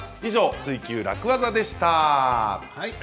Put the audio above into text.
「ツイＱ楽ワザ」でした。